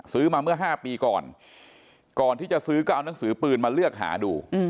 ซื้อมาเมื่อ๕ปีก่อนก่อนที่จะซื้อก็เอานังสือปืนมาเลือกหาดู